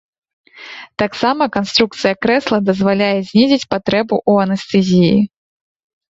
Таксама канструкцыя крэсла дазваляе знізіць патрэбу ў анестэзіі.